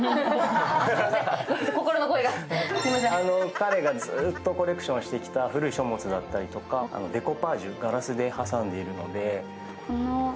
彼がずっとコレクションしてきた古い書物ですとかデコパージュガラスで挟んでいるので。